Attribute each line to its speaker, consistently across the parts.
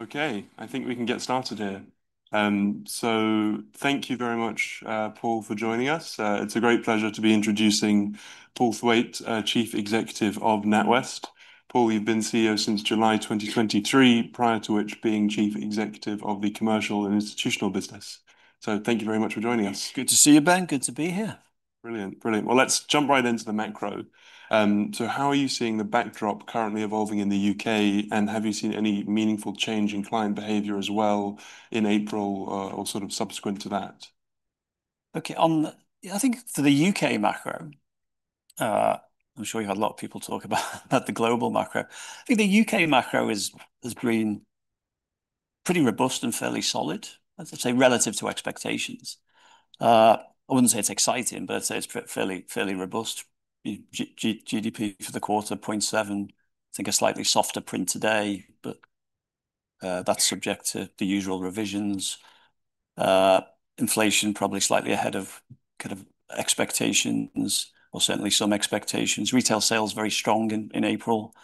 Speaker 1: Okay, I think we can get started here. So thank you very much, Paul, for joining us. It's a great pleasure to be introducing Paul Thwaite, Chief Executive of NatWest. Paul, you've been CEO since July 2023, prior to which being Chief Executive of the commercial and institutional business. So thank you very much for joining us.
Speaker 2: Good to see you, Ben. Good to be here.
Speaker 1: Brilliant, brilliant. Let's jump right into the macro. So how are you seeing the backdrop currently evolving in the U.K., and have you seen any meaningful change in client behavior as well in April, or sort of subsequent to that?
Speaker 2: Okay, on, I think for the UK macro, I'm sure you had a lot of people talk about the global macro. I think the UK macro has been pretty robust and fairly solid, as I say, relative to expectations. I wouldn't say it's exciting, but I'd say it's fairly robust. GDP for the quarter, 0.7. I think a slightly softer print today, but that's subject to the usual revisions. Inflation probably slightly ahead of kind of expectations, or certainly some expectations. Retail sales very strong in April.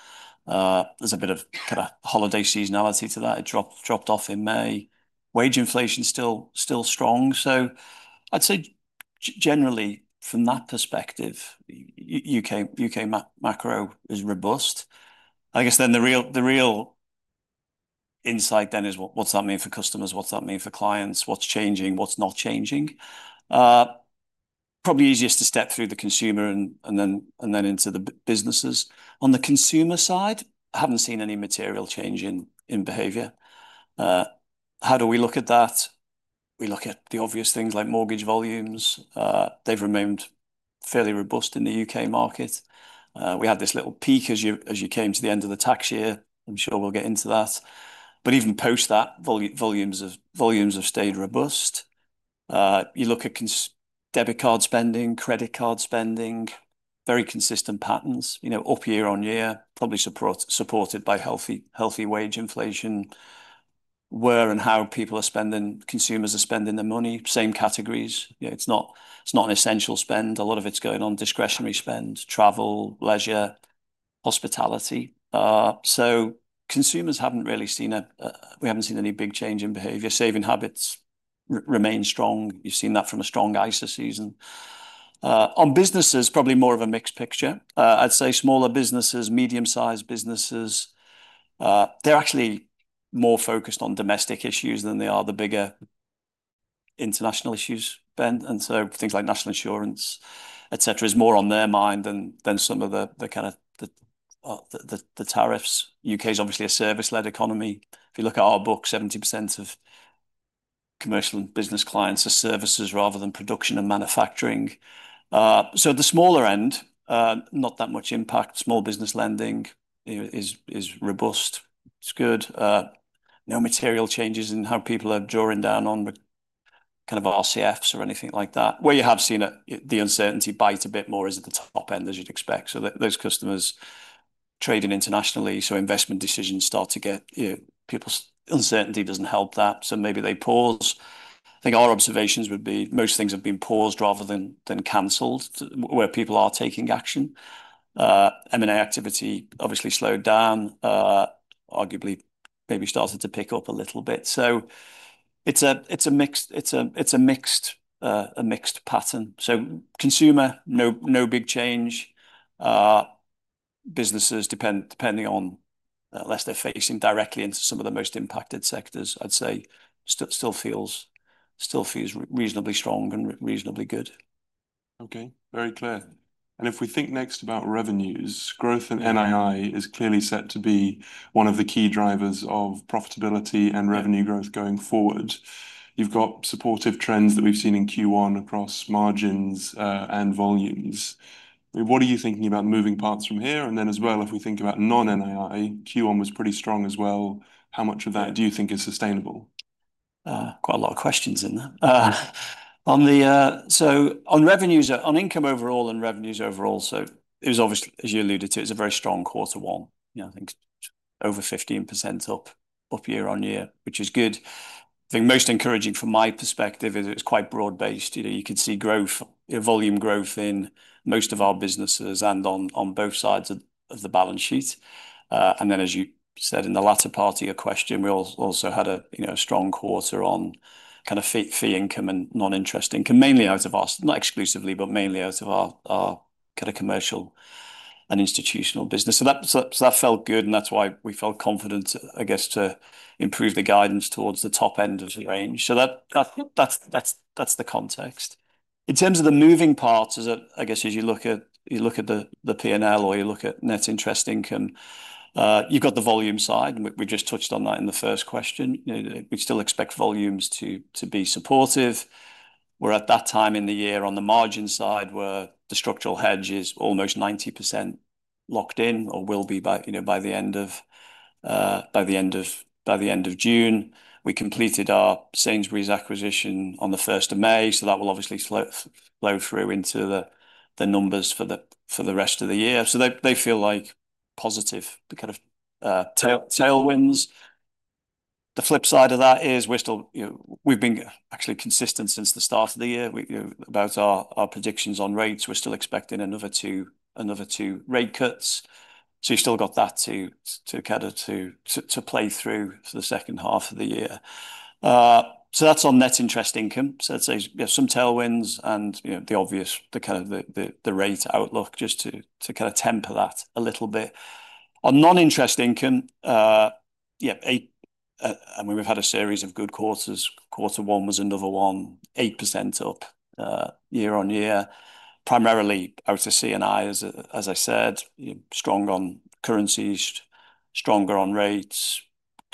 Speaker 2: There's a bit of kind of holiday seasonality to that. It dropped off in May. Wage inflation still strong. I'd say generally from that perspective, UK macro is robust. I guess then the real insight then is what does that mean for customers? What does that mean for clients? What's changing? What's not changing? Probably easiest to step through the consumer and, and then, and then into the businesses. On the consumer side, I haven't seen any material change in, in behavior. How do we look at that? We look at the obvious things like mortgage volumes. They've remained fairly robust in the UK market. We had this little peak as you, as you came to the end of the tax year. I'm sure we'll get into that. Even post that, volumes have stayed robust. You look at debit card spending, credit card spending, very consistent patterns, you know, up year on year, probably supported by healthy, healthy wage inflation. Where and how people are spending, consumers are spending their money, same categories. You know, it's not, it's not an essential spend. A lot of it's going on discretionary spend, travel, leisure, hospitality. Consumers haven't really seen a, we haven't seen any big change in behavior. Saving habits remain strong. You've seen that from a strong ISA season. On businesses, probably more of a mixed picture. I'd say smaller businesses, medium-sized businesses, they're actually more focused on domestic issues than they are the bigger international issues, Ben. Things like national insurance, et cetera, is more on their mind than some of the tariffs. U.K. is obviously a service-led economy. If you look at our book, 70% of commercial and business clients are services rather than production and manufacturing. The smaller end, not that much impact. Small business lending, you know, is robust. It's good. No material changes in how people are drawing down on RCFs or anything like that. Where you have seen the uncertainty bite a bit more is at the top end, as you'd expect. Those customers trading internationally, investment decisions start to get, you know, people's uncertainty doesn't help that. Maybe they pause. I think our observations would be most things have been paused rather than canceled where people are taking action. M&A activity obviously slowed down, arguably maybe started to pick up a little bit. It's a mixed pattern. Consumer, no big change. Businesses depend, depending on unless they're facing directly into some of the most impacted sectors, I'd say still feels reasonably strong and reasonably good.
Speaker 1: Okay, very clear. If we think next about revenues, growth in NII is clearly set to be one of the key drivers of profitability and revenue growth going forward. You have got supportive trends that we have seen in Q1 across margins and volumes. I mean, what are you thinking about moving parts from here? If we think about non-NII, Q1 was pretty strong as well. How much of that do you think is sustainable?
Speaker 2: Quite a lot of questions in there. On the, so on revenues, on income overall and revenues overall. It was obviously, as you alluded to, a very strong quarter one. You know, I think over 15% up year on year, which is good. I think most encouraging from my perspective is it's quite broad-based. You know, you can see growth, volume growth in most of our businesses and on both sides of the balance sheet. As you said in the latter part of your question, we also had a strong quarter on kind of fee income and non-interest income, mainly out of our, not exclusively, but mainly out of our commercial and institutional business. That felt good. That is why we felt confident, I guess, to improve the guidance towards the top end of the range. That is the context. In terms of the moving parts, as you look at the P&L or you look at net interest income, you have got the volume side. We just touched on that in the first question. You know, we still expect volumes to be supportive. We are at that time in the year on the margin side where the structural hedge is almost 90% locked in or will be by the end of June. We completed our Sainsbury's acquisition on the 1st of May. That will obviously flow through into the numbers for the rest of the year. They feel like positive, the kind of tailwinds. The flip side of that is we're still, you know, we've been actually consistent since the start of the year. We, you know, about our predictions on rates. We're still expecting another two rate cuts. So you've still got that to kind of play through for the second half of the year. That's on net interest income. It's some tailwinds and, you know, the obvious, the kind of the rate outlook just to kind of temper that a little bit. On non-interest income, yeah, I mean, we've had a series of good quarters. Quarter one was another one, 8% up year on year. Primarily out to CNI, as I said, you know, strong on currencies, stronger on rates,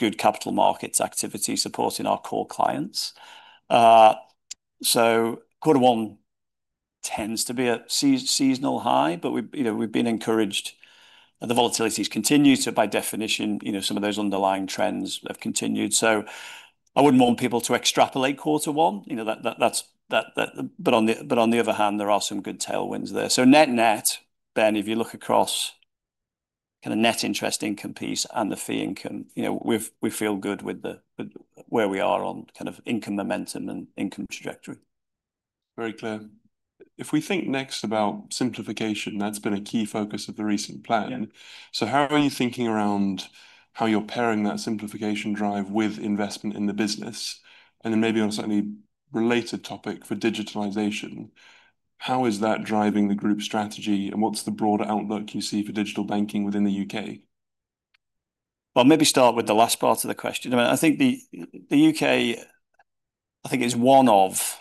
Speaker 2: good capital markets activity supporting our core clients. Quarter one tends to be a seasonal high, but we've, you know, we've been encouraged that the volatilities continue to, by definition, you know, some of those underlying trends have continued. I would not want people to extrapolate quarter one, but on the other hand, there are some good tailwinds there. Net net, Ben, if you look across kind of net interest income piece and the fee income, you know, we feel good with where we are on kind of income momentum and income trajectory.
Speaker 1: Very clear. If we think next about simplification, that's been a key focus of the recent plan.
Speaker 2: Yeah.
Speaker 1: How are you thinking around how you're pairing that simplification drive with investment in the business? Maybe on a slightly related topic for digitalization, how is that driving the group strategy and what's the broader outlook you see for digital banking within the U.K.?
Speaker 2: Maybe start with the last part of the question. I mean, I think the U.K., I think it's one of,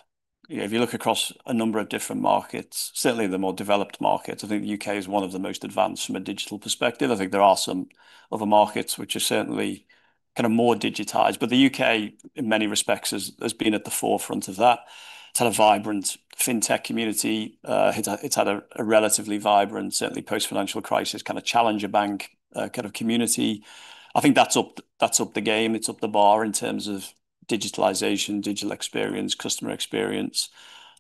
Speaker 2: you know, if you look across a number of different markets, certainly the more developed markets, I think the U.K. is one of the most advanced from a digital perspective. I think there are some other markets which are certainly kind of more digitized, but the U.K. in many respects has been at the forefront of that. It's had a vibrant fintech community. It's had a relatively vibrant, certainly post-financial crisis, kind of challenger bank community. I think that's up the game. It's up the bar in terms of digitalization, digital experience, customer experience.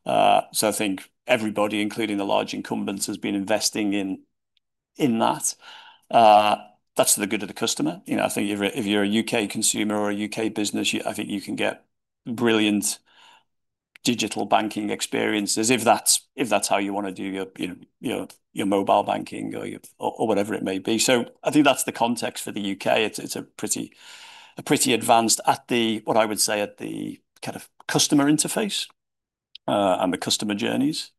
Speaker 2: I think everybody, including the large incumbents, has been investing in that. That's for the good of the customer. You know, I think if you're a UK consumer or a UK business, you, I think you can get brilliant digital banking experiences if that's, if that's how you wanna do your, you know, your mobile banking or your, or whatever it may be. I think that's the context for the U.K. It's a pretty, a pretty advanced at the, what I would say at the kind of customer interface, and the customer journeys.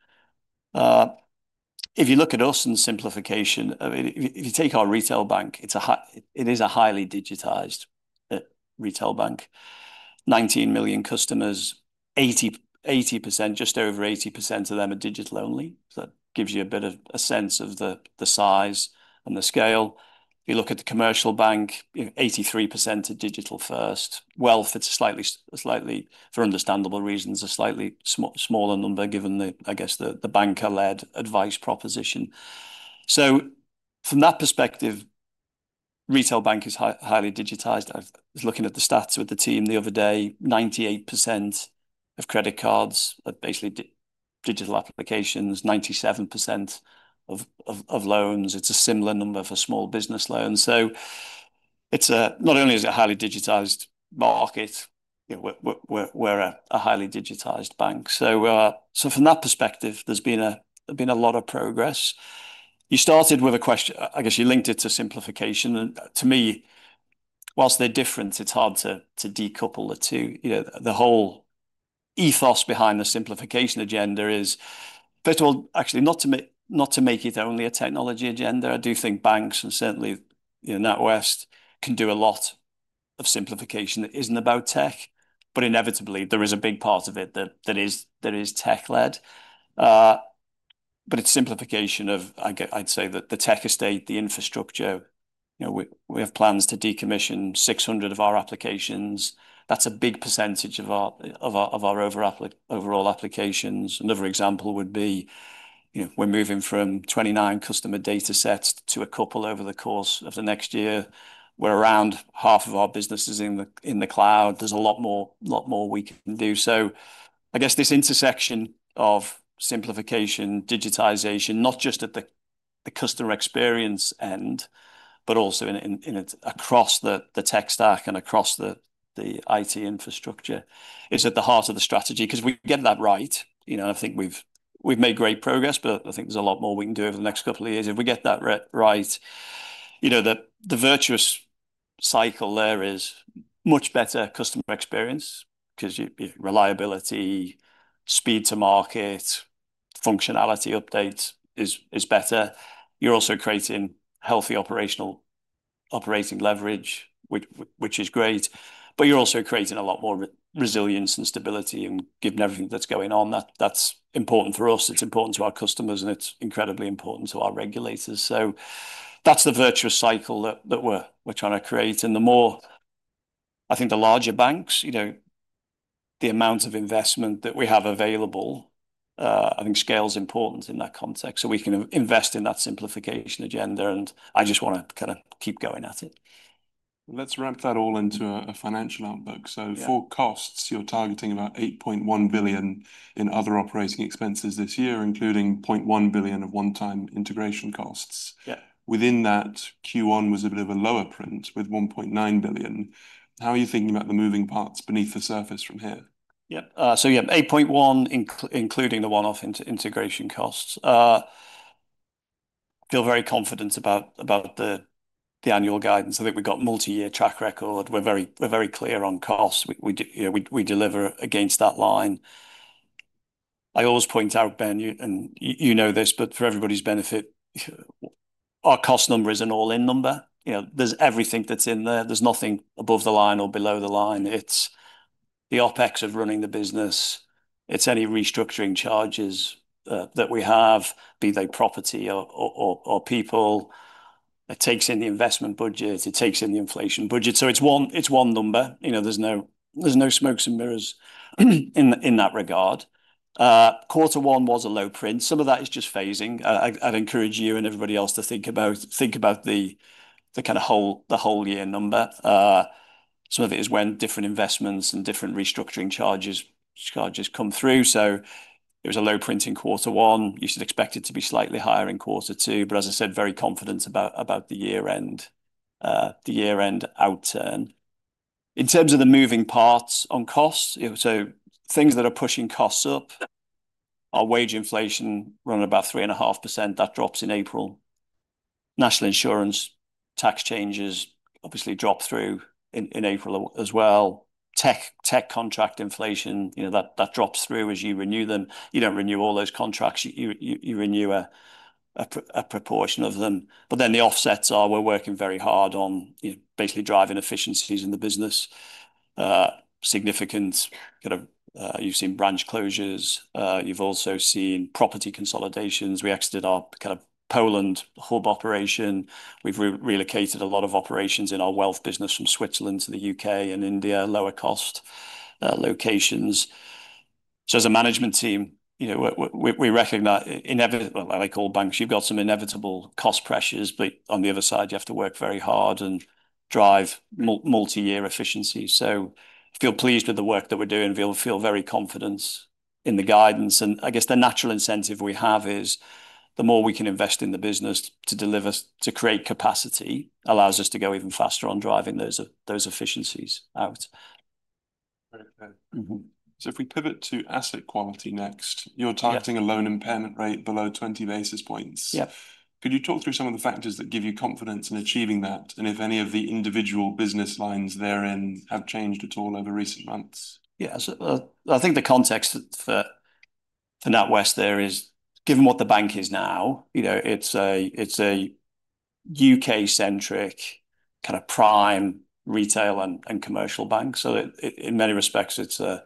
Speaker 2: If you look at us and simplification, if you take our retail bank, it's a high, it is a highly digitized retail bank, 19 million customers, 80, 80%, just over 80% of them are digital only. That gives you a bit of a sense of the, the size and the scale. If you look at the commercial bank, 83% are digital first. Wealth, it's a slightly, slightly for understandable reasons, a slightly smaller number given the, I guess, the banker-led advice proposition. From that perspective, retail bank is highly digitized. I was looking at the stats with the team the other day, 98% of credit cards are basically digital applications, 97% of loans. It's a similar number for small business loans. Not only is it a highly digitized market, you know, we're a highly digitized bank. From that perspective, there's been a lot of progress. You started with a question, I guess you linked it to simplification. To me, whilst they're different, it's hard to decouple the two. You know, the whole ethos behind the simplification agenda is, first of all, actually not to make, not to make it only a technology agenda. I do think banks and certainly, you know, NatWest can do a lot of simplification that isn't about tech, but inevitably there is a big part of it that is tech-led. It's simplification of, I'd say, the tech estate, the infrastructure. You know, we have plans to decommission 600 of our applications. That's a big percentage of our overall applications. Another example would be, you know, we're moving from 29 customer data sets to a couple over the course of the next year. We're around half of our businesses in the cloud. There's a lot more, a lot more we can do. I guess this intersection of simplification, digitization, not just at the customer experience end, but also in it across the tech stack and across the IT infrastructure is at the heart of the strategy. 'Cause we get that right, you know, and I think we've made great progress, but I think there's a lot more we can do over the next couple of years. If we get that right, you know, the virtuous cycle there is much better customer experience 'cause you, you know, reliability, speed to market, functionality updates is better. You're also creating healthy operational operating leverage, which is great, but you're also creating a lot more resilience and stability and given everything that's going on, that's important for us. It's important to our customers and it's incredibly important to our regulators. That's the virtuous cycle that we're trying to create. The more, I think the larger banks, you know, the amount of investment that we have available, I think scale's important in that context. We can invest in that simplification agenda. I just wanna kind of keep going at it.
Speaker 1: Let's wrap that all into a, a financial outlook. For costs, you're targeting about 8.1 billion in other operating expenses this year, including 0.1 billion of one-time integration costs.
Speaker 2: Yeah.
Speaker 1: Within that, Q1 was a bit of a lower print with 1.9 billion. How are you thinking about the moving parts beneath the surface from here?
Speaker 2: Yep. So yeah, 8.1 billion, including the one-off integration costs. Feel very confident about, about the annual guidance. I think we've got multi-year track record. We're very, we're very clear on costs. We, we do, you know, we, we deliver against that line. I always point out, Ben, you, and you, you know this, but for everybody's benefit, our cost number is an all-in number. You know, there's everything that's in there. There's nothing above the line or below the line. It's the OpEx of running the business. It's any restructuring charges, that we have, be they property or, or people. It takes in the investment budget. It takes in the inflation budget. So it's one, it's one number. You know, there's no, there's no smokes and mirrors in, in that regard. Quarter one was a low print. Some of that is just phasing. I'd encourage you and everybody else to think about the whole year number. Some of it is when different investments and different restructuring charges come through. It was a low print in quarter one. You should expect it to be slightly higher in quarter two, but as I said, very confident about the year-end outturn. In terms of the moving parts on costs, you know, things that are pushing costs up are wage inflation running about 3.5%. That drops in April. National insurance tax changes obviously drop through in April as well. Tech contract inflation, you know, that drops through as you renew them. You do not renew all those contracts. You renew a proportion of them. But then the offsets are, we're working very hard on, you know, basically driving efficiencies in the business. Significant kind of, you've seen branch closures. You've also seen property consolidations. We exited our kind of Poland hub operation. We've relocated a lot of operations in our wealth business from Switzerland to the U.K. and India, lower cost locations. As a management team, you know, we recognize inevitable, like all banks, you've got some inevitable cost pressures, but on the other side, you have to work very hard and drive multi-year efficiencies. Feel pleased with the work that we're doing. Feel very confident in the guidance. I guess the natural incentive we have is the more we can invest in the business to deliver, to create capacity allows us to go even faster on driving those efficiencies out.
Speaker 1: Very clear. If we pivot to asset quality next, you're targeting a loan impairment rate below 20 basis points.
Speaker 2: Yeah.
Speaker 1: Could you talk through some of the factors that give you confidence in achieving that? If any of the individual business lines therein have changed at all over recent months?
Speaker 2: Yeah. I think the context for NatWest there is given what the bank is now, you know, it's a U.K.-centric kind of prime retail and commercial bank. It, in many respects, is a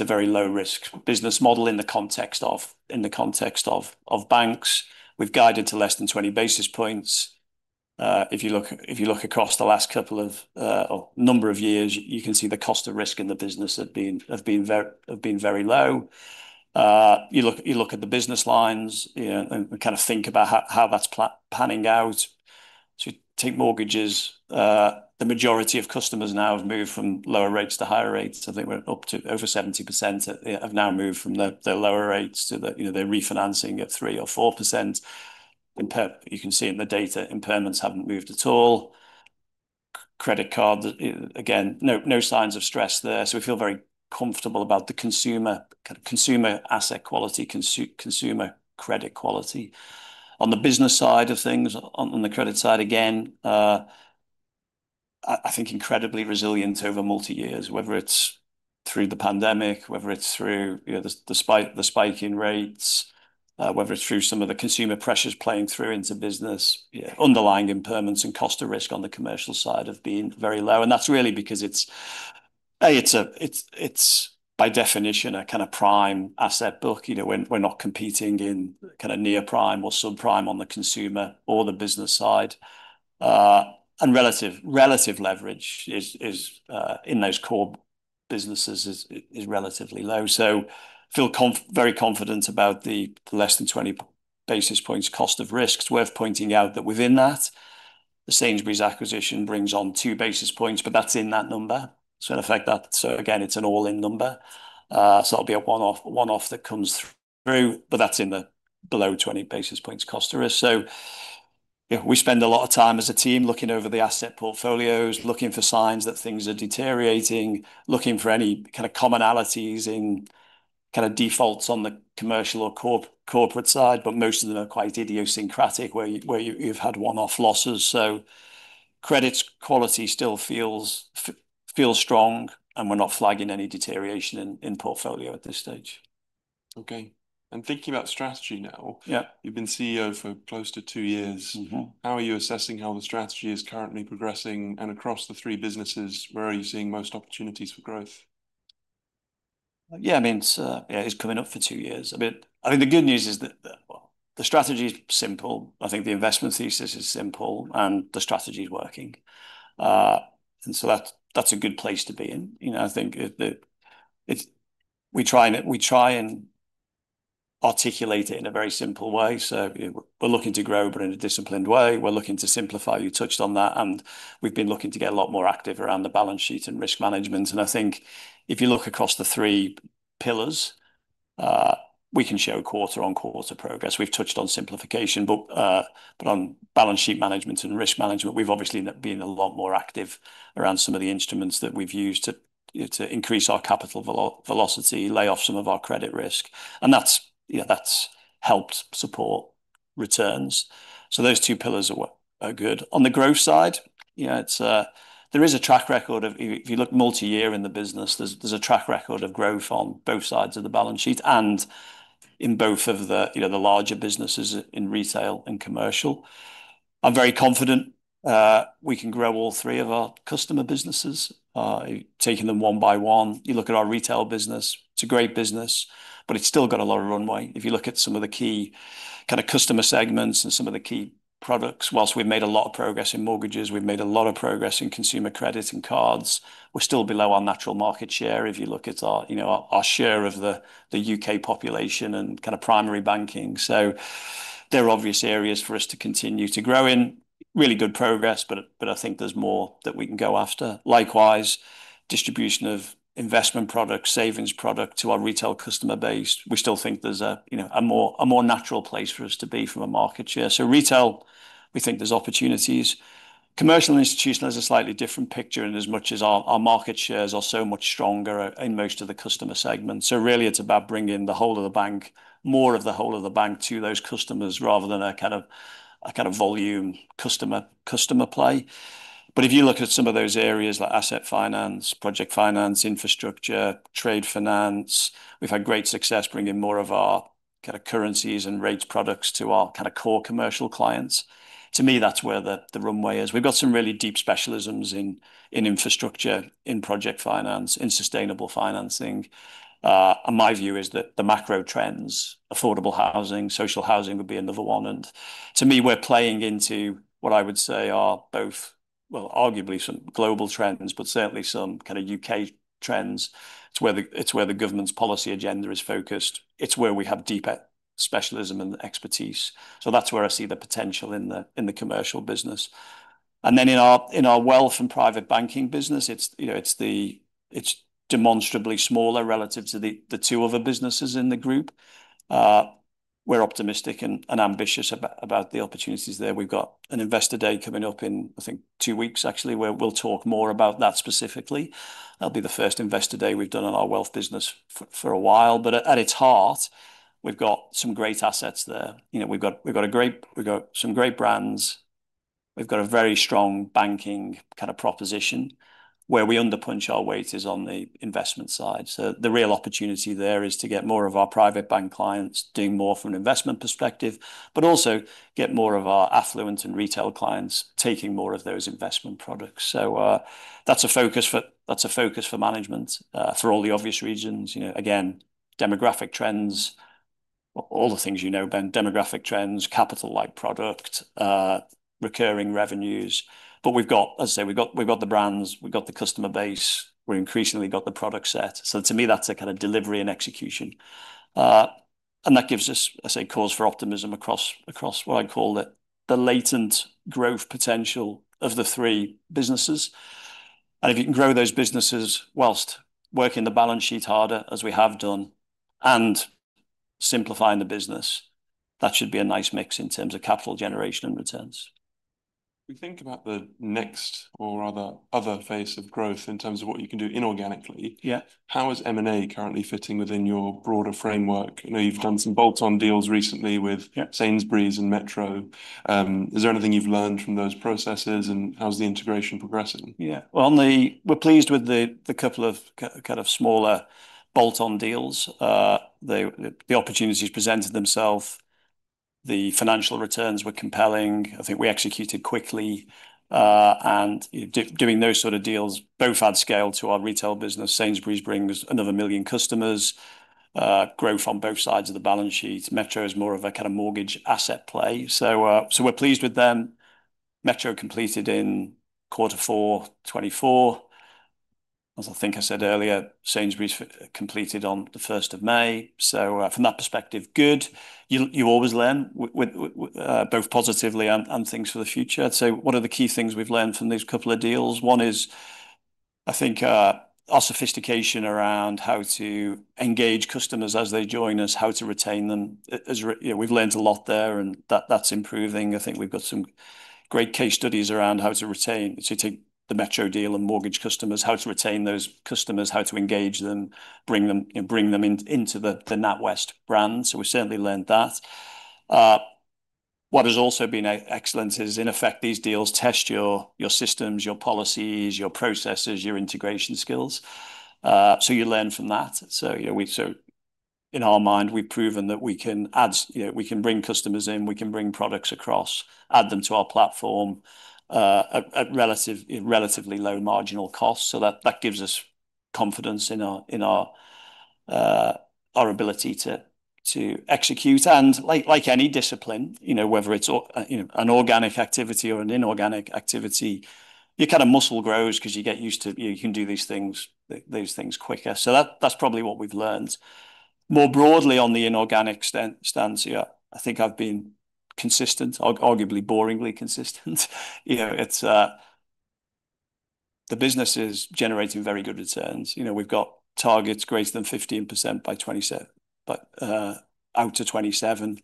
Speaker 2: very low-risk business model in the context of banks. We've guided to less than 20 basis points. If you look across the last couple of, or number of years, you can see the cost of risk in the business has been very low. You look at the business lines, you know, and kind of think about how that's panning out. Take mortgages. The majority of customers now have moved from lower rates to higher rates. I think we're up to over 70% have now moved from the lower rates to the, you know, they're refinancing at 3% or 4%. You can see in the data, impairments haven't moved at all. Credit cards, again, no, no signs of stress there. We feel very comfortable about the consumer kind of consumer asset quality, consumer credit quality. On the business side of things, on the credit side again, I think incredibly resilient over multi-years, whether it's through the pandemic, whether it's through, you know, the spike, the spiking rates, whether it's through some of the consumer pressures playing through into business, you know, underlying impairments and cost of risk on the commercial side have been very low. That's really because it's, A, it's by definition a kind of prime asset book. You know, we're not competing in kind of near prime or subprime on the consumer or the business side. And relative leverage is, in those core businesses, is relatively low. So feel very confident about the less than 20 basis points cost of risk. Worth pointing out that within that, the Sainsbury's acquisition brings on two basis points, but that's in that number. In effect, that, again, it's an all-in number. It will be a one-off that comes through, but that's in the below 20 basis points cost of risk. Yeah, we spend a lot of time as a team looking over the asset portfolios, looking for signs that things are deteriorating, looking for any kind of commonalities in defaults on the commercial or corporate side, but most of them are quite idiosyncratic where you've had one-off losses. Credit quality still feels strong and we're not flagging any deterioration in portfolio at this stage.
Speaker 1: Okay. Thinking about strategy now.
Speaker 2: Yeah.
Speaker 1: You've been CEO for close to two years. How are you assessing how the strategy is currently progressing? Across the three businesses, where are you seeing most opportunities for growth?
Speaker 2: Yeah, I mean, it's, yeah, it's coming up for two years. I mean, I think the good news is that the, well, the strategy's simple. I think the investment thesis is simple and the strategy's working. And so that's, that's a good place to be in. You know, I think that it's, we try and, we try and articulate it in a very simple way. So we're looking to grow, but in a disciplined way. We're looking to simplify. You touched on that and we've been looking to get a lot more active around the balance sheet and risk management. And I think if you look across the three pillars, we can show quarter-on-quarter progress. We've touched on simplification, but on balance sheet management and risk management, we've obviously been a lot more active around some of the instruments that we've used to, you know, to increase our capital velocity, lay off some of our credit risk. And that's, you know, that's helped support returns. Those two pillars are good. On the growth side, you know, there is a track record of, if you look multi-year in the business, there's a track record of growth on both sides of the balance sheet and in both of the, you know, the larger businesses in retail and commercial. I'm very confident we can grow all three of our customer businesses, taking them one by one. You look at our retail business, it's a great business, but it's still got a lot of runway. If you look at some of the key kind of customer segments and some of the key products, whilst we've made a lot of progress in mortgages, we've made a lot of progress in consumer credit and cards, we're still below our natural market share. If you look at our, you know, our share of the UK population and kind of primary banking. There are obvious areas for us to continue to grow in. Really good progress, but I think there's more that we can go after. Likewise, distribution of investment products, savings products to our retail customer base. We still think there's a, you know, a more, a more natural place for us to be from a market share. Retail, we think there's opportunities. Commercial and institutional has a slightly different picture in as much as our market shares are so much stronger in most of the customer segments. Really, it's about bringing the whole of the bank, more of the whole of the bank to those customers rather than a kind of volume customer play. If you look at some of those areas like asset finance, project finance, infrastructure, trade finance, we've had great success bringing more of our currencies and rates products to our core commercial clients. To me, that's where the runway is. We've got some really deep specialisms in infrastructure, in project finance, in sustainable financing. My view is that the macro trends, affordable housing, social housing would be another one. To me, we're playing into what I would say are both, well, arguably some global trends, but certainly some kind of UK trends. It's where the government's policy agenda is focused. It's where we have deeper specialism and expertise. That's where I see the potential in the commercial business. In our wealth and private banking business, it's, you know, it's demonstrably smaller relative to the two other businesses in the group. We're optimistic and ambitious about the opportunities there. We've got an investor day coming up in, I think, two weeks actually, where we'll talk more about that specifically. That'll be the first investor day we've done on our wealth business for a while. At its heart, we've got some great assets there. You know, we've got a great, we've got some great brands. We've got a very strong banking kind of proposition. Where we underpunch our weight is on the investment side. The real opportunity there is to get more of our private bank clients doing more from an investment perspective, but also get more of our affluent and retail clients taking more of those investment products. That's a focus for management, for all the obvious reasons. You know, again, demographic trends, all the things you know, Ben, demographic trends, capital-like product, recurring revenues. We've got, as I say, we've got the brands, we've got the customer base, we've increasingly got the product set. To me, that's a kind of delivery and execution. That gives us, I say, cause for optimism across what I call the latent growth potential of the three businesses. If you can grow those businesses whilst working the balance sheet harder, as we have done, and simplifying the business, that should be a nice mix in terms of capital generation and returns.
Speaker 1: We think about the next or other phase of growth in terms of what you can do inorganically.
Speaker 2: Yeah.
Speaker 1: How is M&A currently fitting within your broader framework? I know you've done some bolt-on deals recently with Sainsbury's and Metro. Is there anything you've learned from those processes and how's the integration progressing?
Speaker 2: Yeah. On the, we're pleased with the couple of kind of smaller bolt-on deals. The opportunities presented themselves. The financial returns were compelling. I think we executed quickly, and doing those sort of deals both add scale to our retail business. Sainsbury's brings another million customers, growth on both sides of the balance sheet. Metro is more of a kind of mortgage asset play. We're pleased with them. Metro completed in quarter four, 2024. As I think I said earlier, Sainsbury's completed on the 1st of May. From that perspective, good. You always learn with both positively and things for the future. What are the key things we've learned from these couple of deals? One is, I think, our sophistication around how to engage customers as they join us, how to retain them as, you know, we've learned a lot there and that, that's improving. I think we've got some great case studies around how to retain, so take the MetroDeal and mortgage customers, how to retain those customers, how to engage them, bring them, you know, bring them in, into the NatWest brand. We've certainly learned that. What has also been excellent is in effect, these deals test your systems, your policies, your processes, your integration skills. You learn from that. You know, in our mind, we've proven that we can add, you know, we can bring customers in, we can bring products across, add them to our platform, at relatively low marginal costs. That gives us confidence in our ability to execute. Like any discipline, whether it's an organic activity or an inorganic activity, your kind of muscle grows because you get used to it, you can do these things quicker. That's probably what we've learned. More broadly on the inorganic stance, yeah, I think I've been consistent, arguably boringly consistent. The business is generating very good returns. We've got targets greater than 15% by 2027, but out to 2027,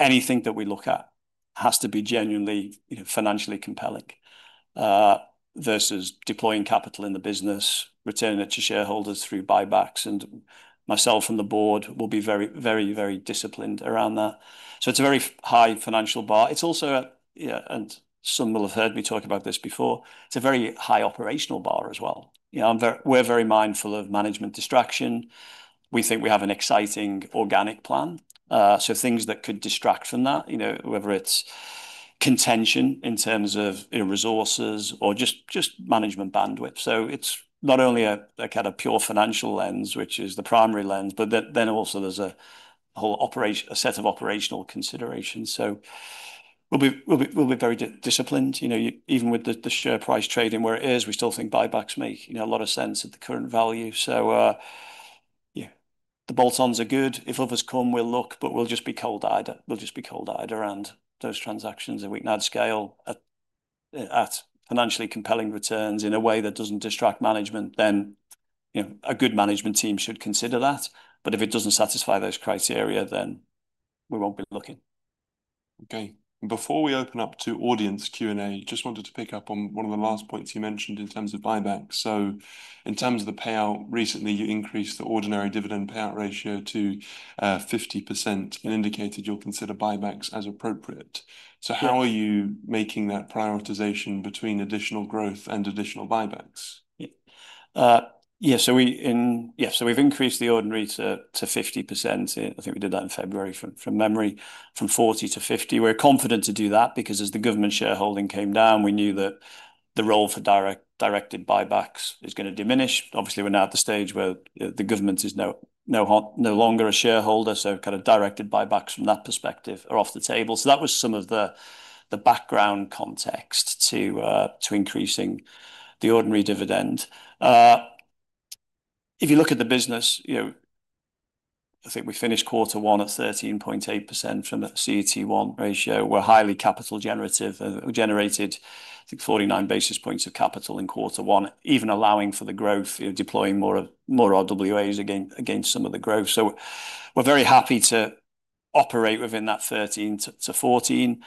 Speaker 2: anything that we look at has to be genuinely financially compelling versus deploying capital in the business, returning it to shareholders through buybacks. Myself and the board will be very, very, very disciplined around that. It's a very high financial bar. It's also a, yeah, and some will have heard me talk about this before. It's a very high operational bar as well. You know, I'm very, we're very mindful of management distraction. We think we have an exciting organic plan. So things that could distract from that, you know, whether it's contention in terms of, you know, resources or just, just management bandwidth. It's not only a, a kind of pure financial lens, which is the primary lens, but that then also there's a whole operation, a set of operational considerations. We'll be, we'll be very disciplined, you know, even with the share price trading where it is, we still think buybacks make, you know, a lot of sense at the current value. Yeah, the bolt-ons are good. If others come, we'll look, but we'll just be cold-eyed. We'll just be cold-eyed around those transactions. If we can add scale at financially compelling returns in a way that doesn't distract management, you know, a good management team should consider that. If it doesn't satisfy those criteria, we won't be looking.
Speaker 1: Okay. Before we open up to audience Q&A, just wanted to pick up on one of the last points you mentioned in terms of buybacks. In terms of the payout, recently you increased the ordinary dividend payout ratio to 50% and indicated you'll consider buybacks as appropriate. How are you making that prioritization between additional growth and additional buybacks?
Speaker 2: Yeah. Yeah. So we, yeah, so we've increased the ordinary to 50%. I think we did that in February from, from memory, from 40%-50%. We're confident to do that because as the government shareholding came down, we knew that the role for directed buybacks is gonna diminish. Obviously, we're now at the stage where the government is no longer a shareholder. So kind of directed buybacks from that perspective are off the table. That was some of the background context to increasing the ordinary dividend. If you look at the business, you know, I think we finished quarter one at 13.8% from a CT1 ratio. We're highly capital generative. We generated, I think, 49 basis points of capital in quarter one, even allowing for the growth, you know, deploying more RWAs against some of the growth. We're very happy to operate within that 13%-14%.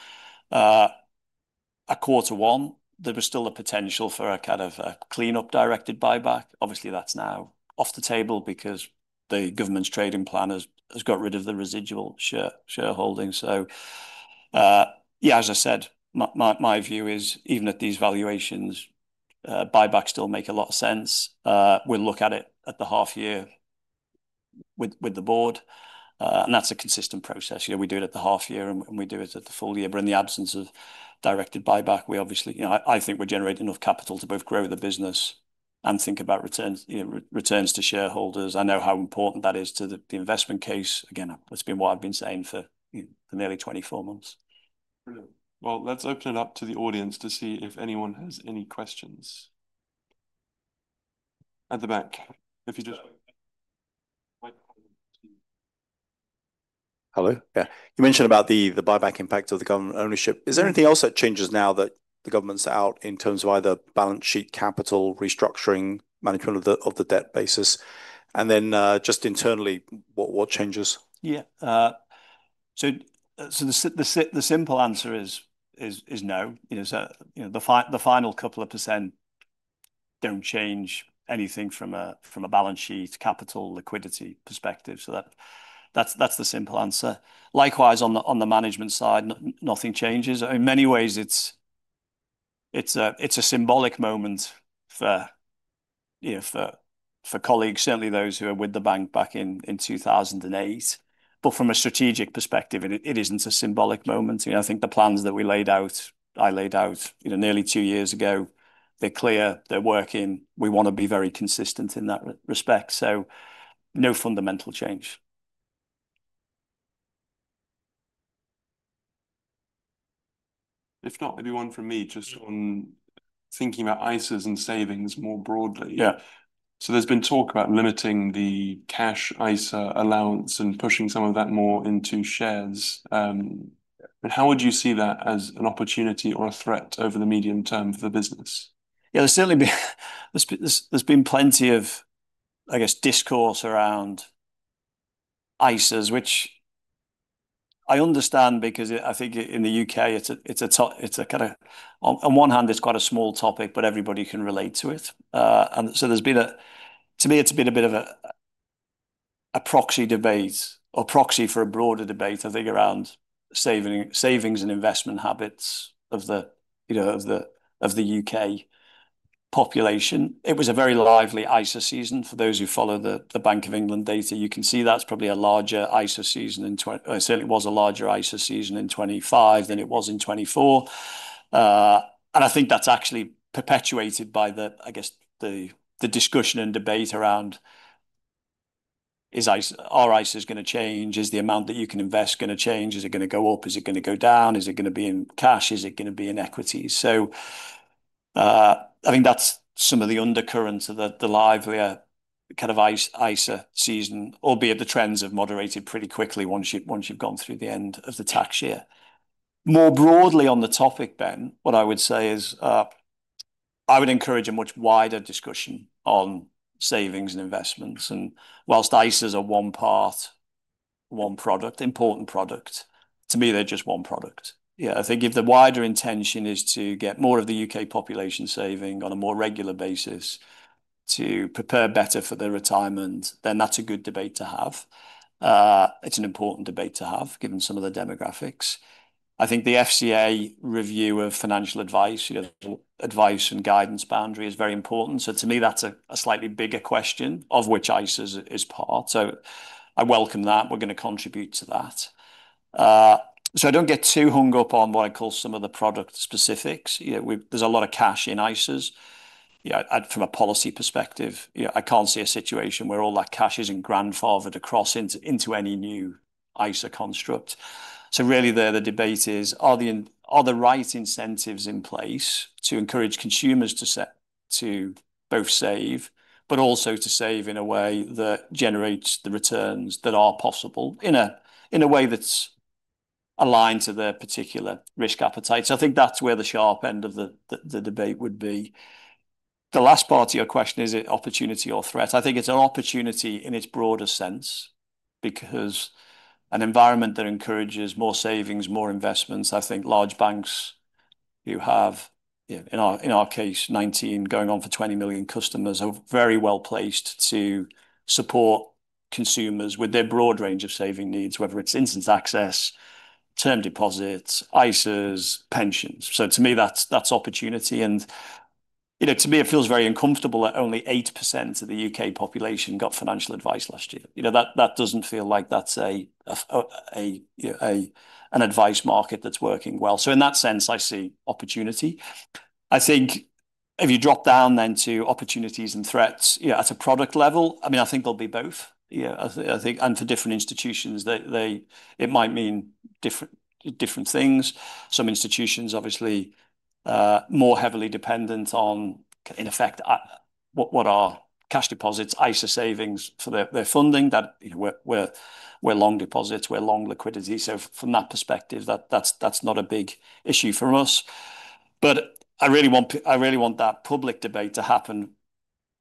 Speaker 2: At quarter one, there was still a potential for a kind of a cleanup, directed buyback. Obviously, that's now off the table because the government's trading plan has got rid of the residual shareholding. Yeah, as I said, my view is even at these valuations, buybacks still make a lot of sense. We'll look at it at the 1/2 year with the board, and that's a consistent process. You know, we do it at the 1/2 year and we do it at the full year. In the absence of directed buyback, we obviously, you know, I think we're generating enough capital to both grow the business and think about returns, you know, returns to shareholders. I know how important that is to the investment case. Again, that's been what I've been saying for, you know, for nearly 24 months.
Speaker 1: Brilliant. Let's open it up to the audience to see if anyone has any questions at the back. If you just. Hello. Yeah. You mentioned about the buyback impact of the government ownership. Is there anything else that changes now that the government's out in terms of either balance sheet capital, restructuring, management of the debt basis? Just internally, what changes?
Speaker 2: Yeah. So the simple answer is no. You know, the final couple of percent do not change anything from a balance sheet capital liquidity perspective. That is the simple answer. Likewise, on the management side, nothing changes. In many ways, it is a symbolic moment for, you know, for colleagues, certainly those who were with the bank back in 2008. From a strategic perspective, it is not a symbolic moment. You know, I think the plans that we laid out, I laid out nearly two years ago, they are clear, they are working. We want to be very consistent in that respect. No fundamental change.
Speaker 1: If not, maybe one from me, just on thinking about ISAs and savings more broadly.
Speaker 2: Yeah.
Speaker 1: There's been talk about limiting the cash ISA allowance and pushing some of that more into shares. How would you see that as an opportunity or a threat over the medium term for the business?
Speaker 2: Yeah, there's certainly been, there's been plenty of, I guess, discourse around ISAs, which I understand because I think in the U.K. it's a, it's a, kind of, on one hand, it's quite a small topic, but everybody can relate to it. To me, it's been a bit of a proxy debate or proxy for a broader debate, I think, around saving, savings and investment habits of the, you know, of the UK population. It was a very lively ISA season for those who follow the Bank of England data. You can see that's probably a larger ISA season in 2025, certainly was a larger ISA season in 2025 than it was in 2024. I think that's actually perpetuated by the, I guess, the discussion and debate around, is ISA, are ISAs gonna change? Is the amount that you can invest gonna change? Is it gonna go up? Is it gonna go down? Is it gonna be in cash? Is it gonna be in equities? I think that's some of the undercurrents of the livelier kind of ISA season, albeit the trends have moderated pretty quickly once you've gone through the end of the tax year. More broadly on the topic, Ben, what I would say is, I would encourage a much wider discussion on savings and investments. Whilst ISAs are one path, one product, important product, to me, they're just one product. Yeah. I think if the wider intention is to get more of the UK population saving on a more regular basis to prepare better for their retirement, then that's a good debate to have. It's an important debate to have given some of the demographics. I think the FCA review of financial advice, you know, advice and guidance boundary is very important. To me, that's a slightly bigger question of which ISAs is part. I welcome that. We're gonna contribute to that. I don't get too hung up on what I call some of the product specifics. You know, there's a lot of cash in ISAs. From a policy perspective, I can't see a situation where all that cash isn't grandfathered across into any new ISA construct. Really, the debate is, are the right incentives in place to encourage consumers to both save, but also to save in a way that generates the returns that are possible in a way that's aligned to their particular risk appetite. I think that's where the sharp end of the debate would be. The last part of your question, is it opportunity or threat? I think it's an opportunity in its broader sense because an environment that encourages more savings, more investments. I think large banks who have, you know, in our case, 19 million going on for 20 million customers are very well placed to support consumers with their broad range of saving needs, whether it's instant access, term deposits, ISAs, pensions. To me, that's opportunity. You know, to me, it feels very uncomfortable that only 8% of the UK population got financial advice last year. You know, that does not feel like that is an advice market that is working well. In that sense, I see opportunity. I think if you drop down then to opportunities and threats, at a product level, I think there will be both. I think, and for different institutions, it might mean different things. Some institutions obviously are more heavily dependent on, in effect, what are cash deposits, ISA savings for their funding. We are long deposits, we are long liquidity. From that perspective, that is not a big issue for us. I really want that public debate to happen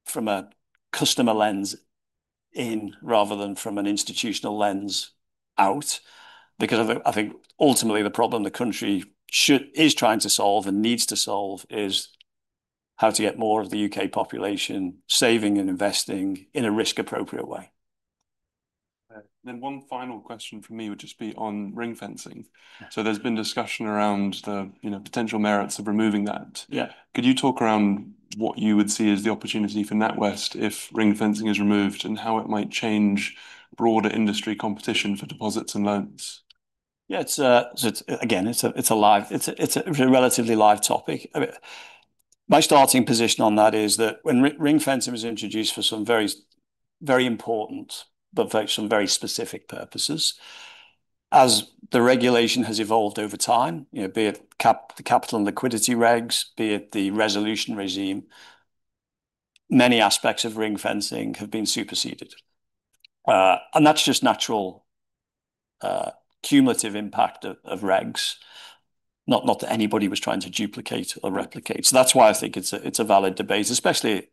Speaker 2: from a customer lens in rather than from an institutional lens out because I think ultimately the problem the country should, is trying to solve and needs to solve is how to get more of the UK population saving and investing in a risk appropriate way.
Speaker 1: One final question from me would just be on ring fencing. There has been discussion around the, you know, potential merits of removing that.
Speaker 2: Yeah.
Speaker 1: Could you talk around what you would see as the opportunity for NatWest if ring fencing is removed and how it might change broader industry competition for deposits and loans?
Speaker 2: Yeah. It's a, it's again, it's a live, it's a relatively live topic. I mean, my starting position on that is that when ring fencing was introduced for some very, very important, but very, some very specific purposes, as the regulation has evolved over time, you know, be it the capital and liquidity regs, be it the resolution regime, many aspects of ring fencing have been superseded. That's just natural, cumulative impact of regs. Not that anybody was trying to duplicate or replicate. That's why I think it's a valid debate, especially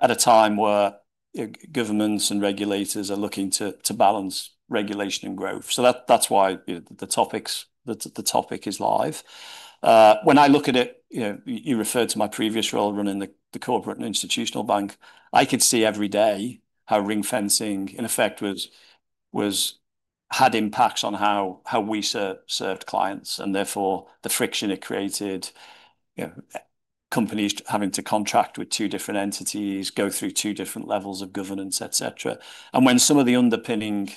Speaker 2: at a time where, you know, governments and regulators are looking to balance regulation and growth. That's why, you know, the topic is live. When I look at it, you know, you referred to my previous role running the corporate and institutional bank, I could see every day how ring fencing in effect had impacts on how we served clients and therefore the friction it created, you know, companies having to contract with two different entities, go through two different levels of governance, et cetera. When some of the underpinning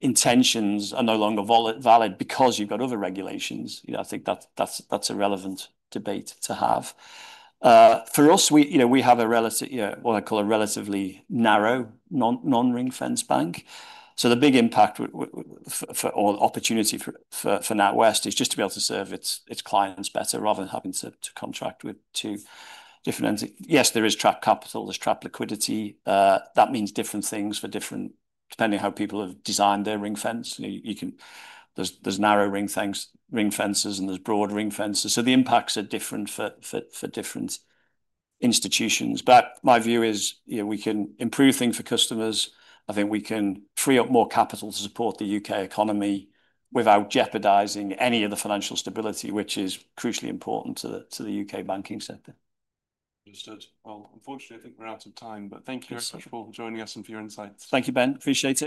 Speaker 2: intentions are no longer valid because you've got other regulations, you know, I think that's a relevant debate to have. For us, we have a relatively, you know, what I call a relatively narrow, non-ring fence bank. The big impact or opportunity for NatWest is just to be able to serve its clients better rather than having to contract with two different entities. Yes, there is trapped capital, there's trapped liquidity. That means different things for different, depending on how people have designed their ring fence. You know, there's narrow ring fences and there's broad ring fences. The impacts are different for different institutions. My view is, you know, we can improve things for customers. I think we can free up more capital to support the UK economy without jeopardizing any of the financial stability, which is crucially important to the U.K. banking sector.
Speaker 1: Understood. Unfortunately, I think we're out of time, but thank you very much Paul for joining us and for your insights.
Speaker 2: Thank you, Ben. Appreciate it.